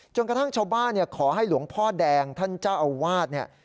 กระทั่งชาวบ้านขอให้หลวงพ่อแดงท่านเจ้าอาวาสเนี่ย